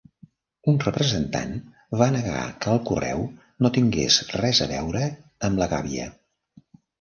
Un representant va negar que el correu no tingués res a veure amb la gàbia.